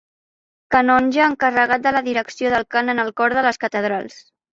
Canonge encarregat de la direcció del cant en el cor de les catedrals.